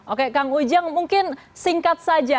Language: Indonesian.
oke kang ujang mungkin singkat saja